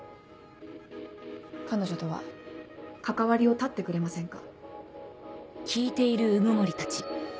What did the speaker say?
彼女とは関わりを断ってくれませんか？